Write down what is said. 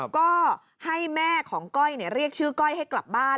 ก็ให้แม่ของก้อยเรียกชื่อก้อยให้กลับบ้าน